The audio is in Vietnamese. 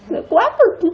là quá thật